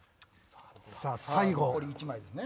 残り１枚ですね。